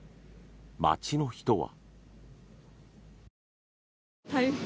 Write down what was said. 町の人は。